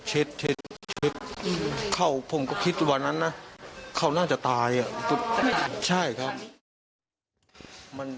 ชิดเข้าผมก็คิดวันนั้นนะเขาน่าจะตายใช่ครับ